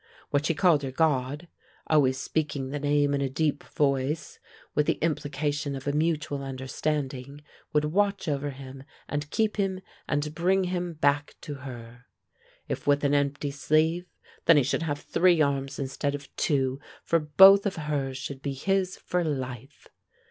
What she called her God, always speaking the name in a deep voice and with the implication of a mutual understanding, would watch over him and keep him and bring him back to her. If with an empty sleeve, then he should have three arms instead of two, for both of hers should be his for life.